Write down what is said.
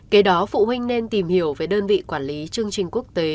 kế đó phụ huynh nên tìm hiểu về đơn vị quản lý chương trình quốc tế